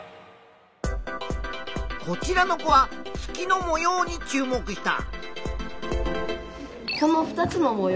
こちらの子は月の模様に注目した。